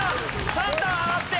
３段上がって！